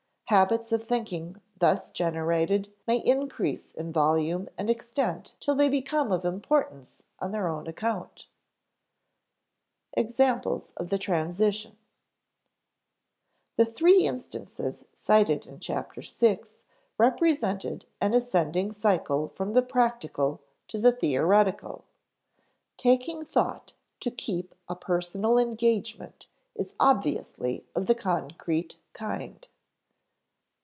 Habits of thinking thus generated may increase in volume and extent till they become of importance on their own account. [Sidenote: Examples of the transition] The three instances cited in Chapter Six represented an ascending cycle from the practical to the theoretical. Taking thought to keep a personal engagement is obviously of the concrete kind.